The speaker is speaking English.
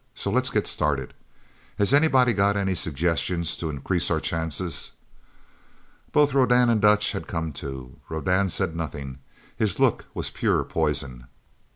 So let's get started. Has anybody got any suggestions to increase our chances?" Both Rodan and Dutch had come to. Rodan said nothing. His look was pure poison.